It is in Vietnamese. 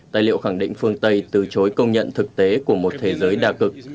tài liệu khẳng định phương tây từ chối công nhận thực tế của một thế giới đa cực